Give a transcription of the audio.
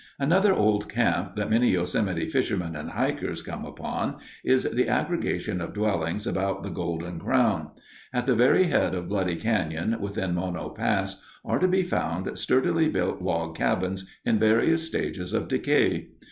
Another old camp that many Yosemite fishermen and hikers come upon is the aggregation of dwellings about the "Golden Crown." At the very head of Bloody Canyon, within Mono Pass, are to be found sturdily built log cabins in various stages of decay.